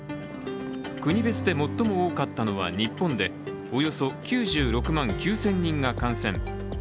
国別で最も多かったのは日本でおよそ９６万９０００人が感染。